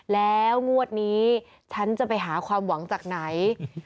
แล้วงวดนี้ฉันจะไปหาความหวังจากไหน